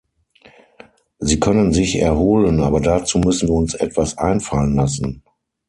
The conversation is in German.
Sie können sich erholen, aber dazu müssen wir uns etwas einfallen lassen.